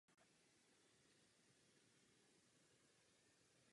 Nápisy na podstavci jsou latinské.